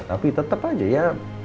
tapi tetep aja ya